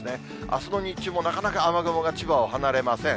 あすの日中も、なかなか雨雲が千葉を離れません。